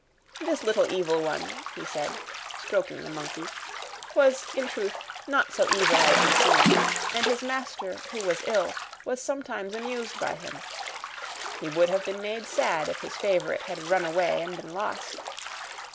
This little evil one, he said, stroking the monkey, was, in truth, not so evil as he seemed, and his master, who was ill, was sometimes amused by him. He would have been made sad if his favorite had run away and been lost.